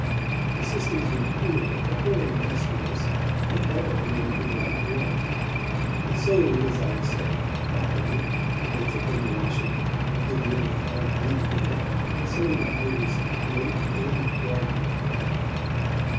The sisters were poor, but very industrious, and never in anything like want; they sold, as I have said, crockery, and they took in washing, and did a little fine needlework, and sold the produce of a great, vague garden at the back.